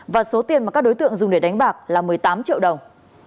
và số tiền mà các đối tượng dùng để đánh bạc là một mươi tám triệu đồng